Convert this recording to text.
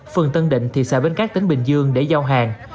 phường tân định thị xã bến cát tỉnh bình dương để giao hàng